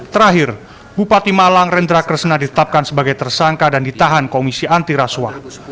terakhir bupati malang rendra kresna ditetapkan sebagai tersangka dan ditahan komisi anti rasuah